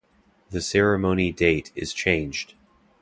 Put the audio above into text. The ceremony date is changed.